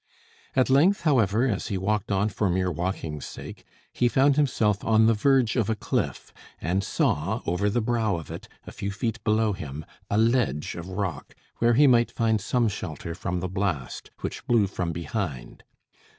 At length, however, as he walked on for mere walking's sake, he found himself on the verge of a cliff, and saw, over the brow of it, a few feet below him, a ledge of rock, where he might find some shelter from the blast, which blew from behind.